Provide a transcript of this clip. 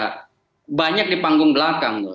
karena banyak di panggung belakang loh